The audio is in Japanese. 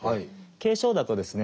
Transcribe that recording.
軽症ですとですね